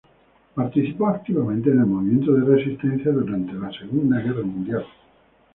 Participó activamente en el movimiento de resistencia durante la segunda guerra mundial.